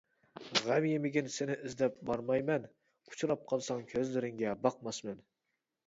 غەم يېمىگىن سېنى ئىزدەپ بارمايمەن، ئۇچراپ قالساڭ كۆزلىرىڭگە باقماسمەن.